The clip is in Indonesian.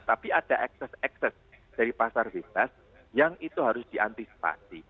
tapi ada ekses ekses dari pasar bebas yang itu harus diantisipasi